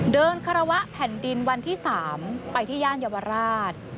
คารวะแผ่นดินวันที่๓ไปที่ย่านเยาวราช